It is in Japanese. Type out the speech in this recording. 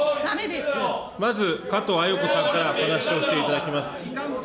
まず加藤鮎子さんから話をしていただきます。